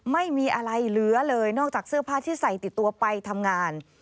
ไม่มีอะไรเหลือเลยนอกจากเสื้อผ้าที่ใส่ติดตัวไปทำงาน